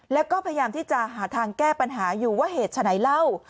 แล้วก็พยายามที่จะหาทางแก้ปัญหาอยู่ว่าเหตุฉะไหนเล่า